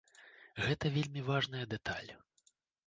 Гэта вельмі важная дэталь.